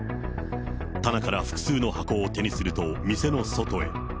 棚から複数の箱を手にすると、店の外へ。